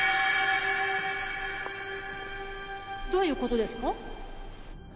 どういうことですか？